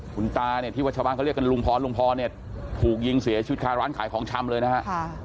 คุณตาเนี่ยที่ว่าชาวบ้านเขาเรียกกันลุงพรลุงพรเนี่ยถูกยิงเสียชีวิตคาร้านขายของชำเลยนะฮะ